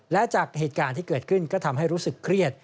และจากเหตุการณ์ที่เกิดขึ้นก็ทำให้รู้สึกเครียด